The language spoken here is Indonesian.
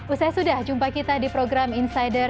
usai sudah jumpa kita di program insider